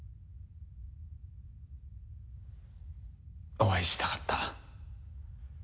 お会いしたかった。